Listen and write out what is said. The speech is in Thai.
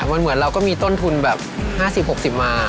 มันเหมือนเราก็มีต้นทุนแบบ๕๐๖๐มา